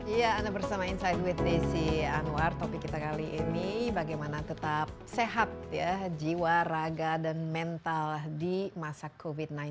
iya anda bersama insight with desi anwar topik kita kali ini bagaimana tetap sehat ya jiwa raga dan mental di masa covid sembilan belas